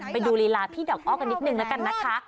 ไปดูลีลาพี่ดอกอ้อกันนิดนึงแล้วกันนะคะ